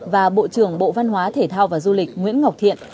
và bộ trưởng bộ văn hóa thể thao và du lịch nguyễn ngọc thiện